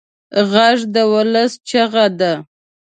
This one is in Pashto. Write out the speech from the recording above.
غږ د ولس چیغه ده